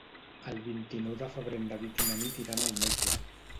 El vint-i-nou de febrer en David i na Nit iran al metge.